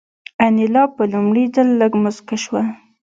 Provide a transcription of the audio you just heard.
انیلا په لومړي ځل لږه موسکه شوه